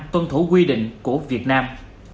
tuân thủ quy định của việt nam